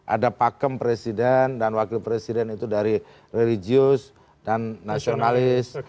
ada pakem presiden dan wakil presiden itu dari religius dan nasionalis